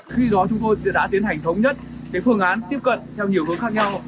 khi đó chúng tôi đã tiến hành thống nhất phương án tiếp cận theo nhiều hướng khác nhau